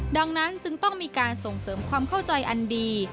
ดังนั้นจึงต้องมีการส่งเสริมความเข้าใจอันดี